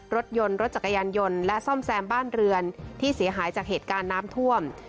รถยนต์รถจักรยานยนต์และซ่อมแซมบ้านเรือนที่เสียหายจากเหตุการณ์น้ำท่วม